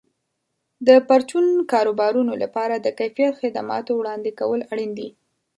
د پرچون کاروبارونو لپاره د کیفیت خدماتو وړاندې کول اړین دي.